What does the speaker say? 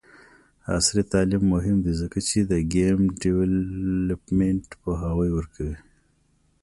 عصري تعلیم مهم دی ځکه چې د ګیم ډیولپمنټ پوهاوی ورکوي.